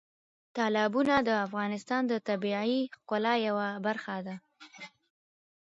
تالابونه د افغانستان د طبیعي ښکلا یوه برخه ده.